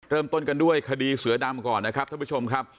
เริ่มต้นกันด้วยคดีเสือดำก่อนนะครับท่านผู้ชมครับ